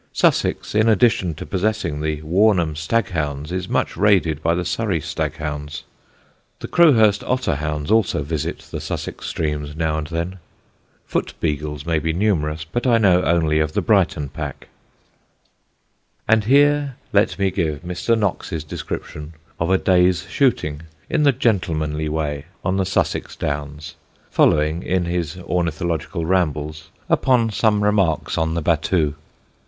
Sussex, in addition to possessing the Warnham Staghounds, is much raided by the Surrey Staghounds. The Crowhurst Otter Hounds also visit the Sussex streams now and then. Foot Beagles may be numerous but I know only of the Brighton pack. [Sidenote: MR. KNOX'S SETTER] And here let me give Mr. Knox's description of a day's shooting, in the gentlemanly way, on the Sussex Downs, following, in his Ornithological Rambles, upon some remarks on the battue.